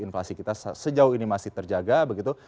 inflasi kita sejauh ini masih terjaga begitu